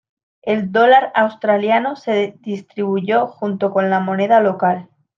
El dólar australiano se distribuyó junto con la moneda local.